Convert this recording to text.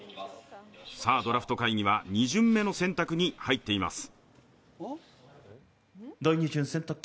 さぁ、ドラフト会議は２巡目の選択に入っています。